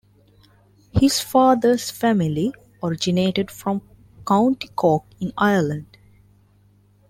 His father's family originated from County Cork in Ireland.